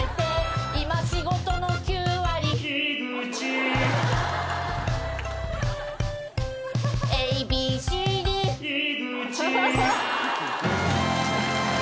「今仕事の９割」「井口」「ＡＢＣＤ」「井口」